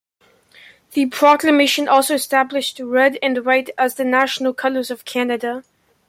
The proclamation also established red and white as the national colours of Canada.